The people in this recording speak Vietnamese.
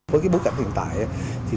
với bối cảnh hiện tại